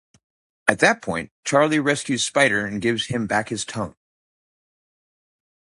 At that point, Charlie rescues Spider and gives him back his tongue.